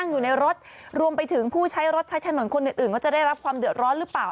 อยู่ในรถรวมไปถึงผู้ใช้รถใช้ถนนคนอื่นอื่นว่าจะได้รับความเดือดร้อนหรือเปล่า